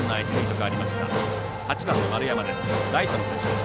８番の丸山です。